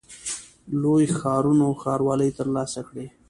لویو ښارونو ښاروالۍ ترلاسه کړې.